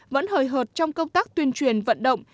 vẫn hời hợt trong công tác tuyên truyền vận động